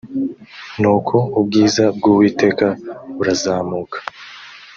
nuko ubwiza bw’uwiteka burazamuka